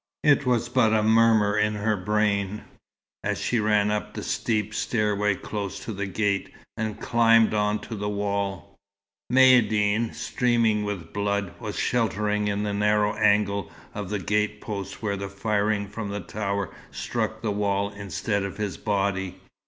It was but a murmur in her brain, as she ran up the steep stairway close to the gate, and climbed on to the wall. Maïeddine, streaming with blood, was sheltering in the narrow angle of the gate post where the firing from the towers struck the wall instead of his body.